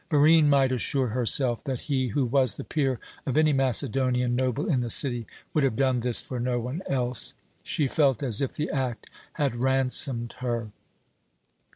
Barine might assure herself that he, who was the peer of any Macedonian noble in the city, would have done this for no one else. She felt as if the act had ransomed her.